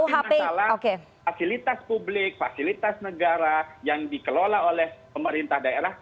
tapi masalah fasilitas publik fasilitas negara yang dikelola oleh pemerintah daerah